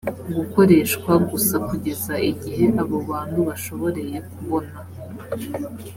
gukoreshwa gusa kugeza igihe abo bantu bashoboreye kubona